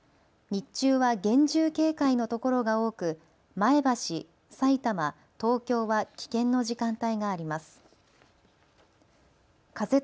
日中は厳重警戒の所が多く、前橋、さいたま、東京は危険の時間帯があります。